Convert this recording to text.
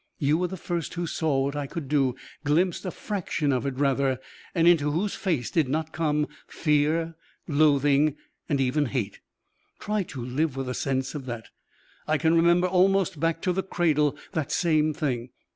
You were the first who saw what I could do glimpsed a fraction of it, rather and into whose face did not come fear, loathing, even hate. Try to live with a sense of that. I can remember almost back to the cradle that same thing.